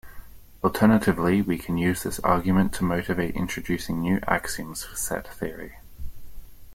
Alternatively we can use this argument to motivate introducing new axioms for set theory.